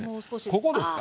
ここですか？